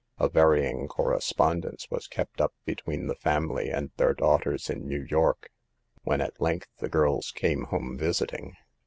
A varying correspondence was kept up between the family and their daughters in New York, when at length the girls came home visiting.